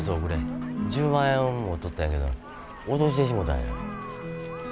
１０万円持っとったんやけど落としてしもたんや。